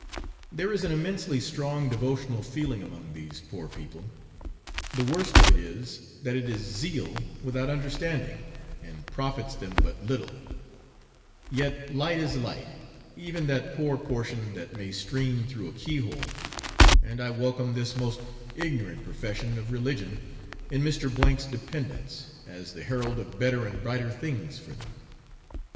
There is an immensely strong devotional feeling among these poor people. The worst of it is, that it is zeal without understanding, and profits them but little; yet light is light, even that poor portion that may stream through a key hole, and I welcome this most ignorant profession of religion in Mr. 's dependents, as the herald of better and brighter things for them.